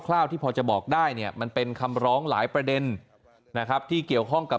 ข้าวที่พอจะบอกได้เนี่ยมันเป็นคำร้องหลายประเด็นนะครับที่เกี่ยวข้องกับ